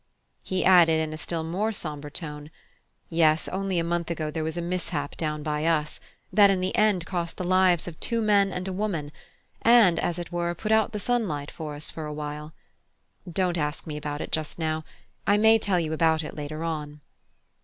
He added, in a still more sombre tone: "Yes, only a month ago there was a mishap down by us, that in the end cost the lives of two men and a woman, and, as it were, put out the sunlight for us for a while. Don't ask me about it just now; I may tell you about it later on."